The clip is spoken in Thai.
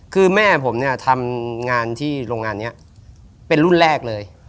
คือแม่ผมเนี่ยทำงานที่โรงงานนี้เป็นรุ่นแรกเลย